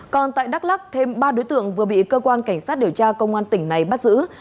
còn tại đắk lắc thêm ba đối tượng vừa bị cơ quan cảnh sát điều tra công an tỉnh này bắt giữ